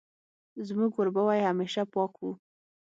زموږ وربوی همېشه پاک وو